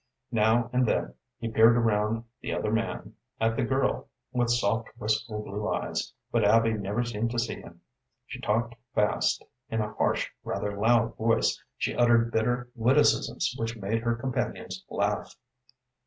Now and then he peered around the other man at the girl, with soft, wistful blue eyes, but Abby never seemed to see him. She talked fast, in a harsh, rather loud voice. She uttered bitter witticisms which made her companions laugh.